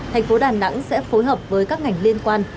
thành phố đà nẵng sẽ phối hợp với các ngành liên quan